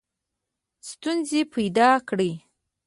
ستونزي پیدا کړي.